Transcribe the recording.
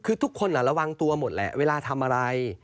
คือทุกคนระวังตัวหมดแหละเวลาทำอะไร